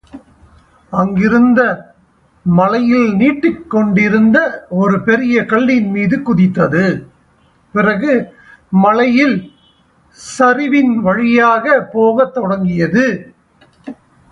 அங்கிருந்து மலையில் நீட்டிக் கொண்டிருந்த ஒரு பெரிய கல்லின்மீது குதித்தது பிறகு, மலையில் சரிவின் வழியாகவே போகத் தொடங்கியது.